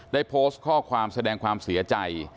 ได้โพสต์ข้อความแสดงความเสียใจ